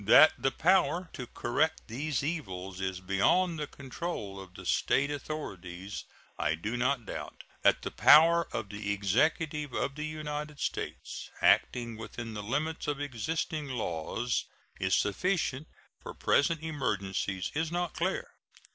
That the power to correct these evils is beyond the control of the State authorities I do not doubt; that the power of the Executive of the United States, acting within the limits of existing laws, is sufficient for present emergencies is not clear.